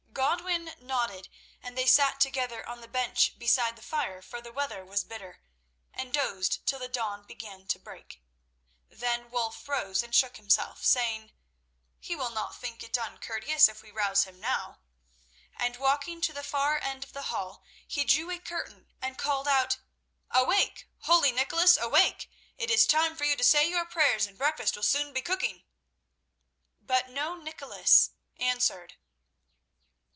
Godwin nodded, and they sat together on the bench beside the fire, for the weather was bitter, and dozed till the dawn began to break. Then Wulf rose and shook himself, saying: "He will not think it uncourteous if we rouse him now," and walking to the far end of the hall, he drew a curtain and called out, "Awake, holy Nicholas! awake! It is time for you to say your prayers, and breakfast will soon be cooking." But no Nicholas answered.